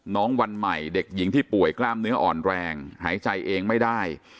วันใหม่เด็กหญิงที่ป่วยกล้ามเนื้ออ่อนแรงหายใจเองไม่ได้